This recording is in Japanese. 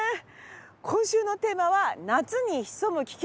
今週のテーマは夏に潜む危険。